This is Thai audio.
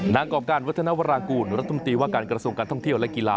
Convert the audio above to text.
กรอบการวัฒนวรางกูลรัฐมนตรีว่าการกระทรวงการท่องเที่ยวและกีฬา